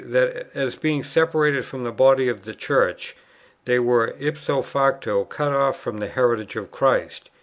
that, as being separated from the body of the Church, they were ipso facto cut off from the heritage of Christ.